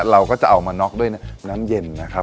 เราก็จะเอามาน็อกด้วยน้ำเย็นนะครับ